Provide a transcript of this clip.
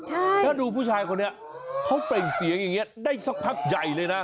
เพราะดูผู้ชายกว่านี้เขาเปล่งเสียงอย่างนี้ได้สักพักใยเลยนะ